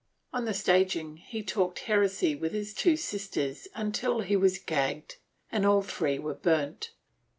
On the staging he talked heresy with his two sisters until he was gagged and all three were burnt.